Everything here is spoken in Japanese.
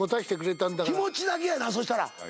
気持ちだけやなそしたら。